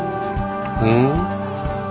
うん？